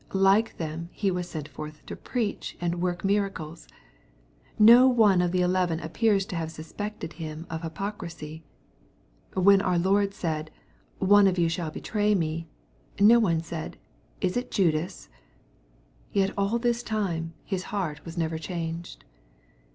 Like them he was sent forth to preach and work miracles. No one of the eleven appears' to have sus pected him of hypocrisy. When our Lord said, " One ) of you shall betray me," no one said, " Is it Judas ?"' Yet all this time his heart was never changed.